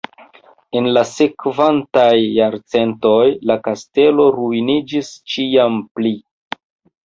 En la sekvantaj jarcentoj la kastelo ruiniĝis ĉiam pli.